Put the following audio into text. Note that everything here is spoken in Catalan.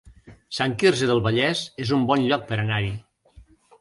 Sant Quirze del Vallès es un bon lloc per anar-hi